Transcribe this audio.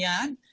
terus aku bilang